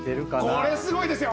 これすごいですよ。